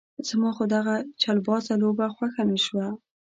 زما خو دغه چلبازه لوبه خوښه نه شوه.